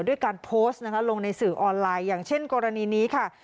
ด้วยการโพสต์นะคะลงในสื่อออนไลน์อย่างเช่นกรณีนี้ค่ะ